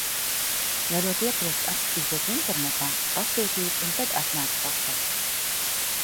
Varot iepriekš apskatīties internetā, pasūtīt un tad atnākt pakaļ.